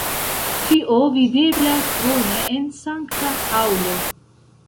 Tio videblas bone en Sankta Paŭlo.